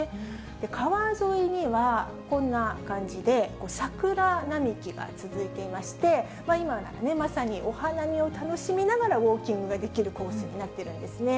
川沿いにはこんな感じで、桜並木が続いていまして、今まさにお花見を楽しみながらウォーキングができるコースになっているんですね。